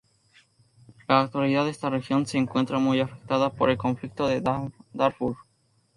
En la actualidad esta región se encuentra muy afectada por el Conflicto de Darfur.